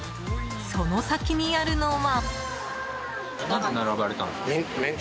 その先にあるのは。